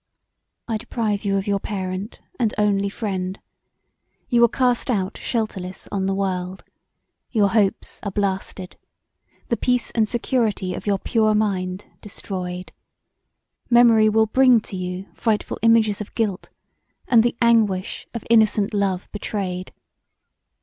"I deprive you of your parent and only friend. You are cast out shelterless on the world: your hopes are blasted; the peace and security of your pure mind destroyed; memory will bring to you frightful images of guilt, and the anguish of innocent love betrayed.